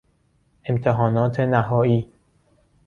امتحانات نهایی